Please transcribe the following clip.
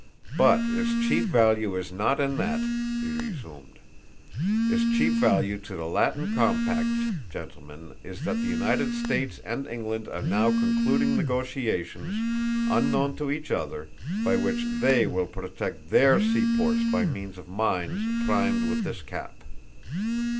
"But its chief value is not in that," he resumed. "Its chief value to the Latin compact, gentlemen, is that the United States and England are now concluding negotiations, unknown to each other, by which they will protect their seaports by means of mines primed with this cap.